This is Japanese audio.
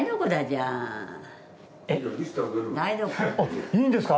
あっいいんですか？